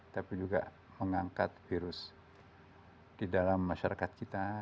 tapi juga mengangkat virus di dalam masyarakat kita